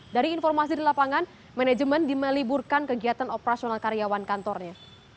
dari informasi di lapangan manajemen dimeliburkan kegiatan operasional karyawan kantornya